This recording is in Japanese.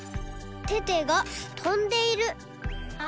テテがとんでいる。